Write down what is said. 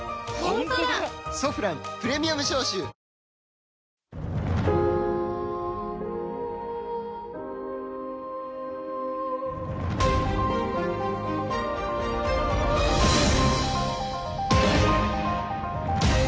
「ソフランプレミアム消臭」よし。